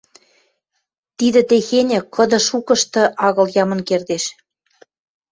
— Тидӹ техеньӹ, «кыды шукышты агыл ямын кердеш».